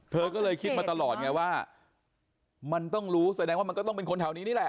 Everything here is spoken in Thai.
เธอก็เลยคิดมาตลอดไงว่ามันต้องรู้แสดงว่ามันก็ต้องเป็นคนแถวนี้นี่แหละ